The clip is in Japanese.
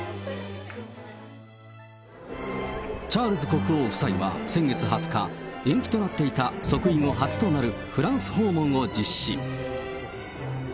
チャールズ国王夫妻は先月２０日、延期となっていた即位後初となるフランス訪問を実施。